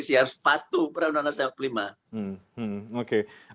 siapas patuh peran undang undang tahun sembilan puluh lima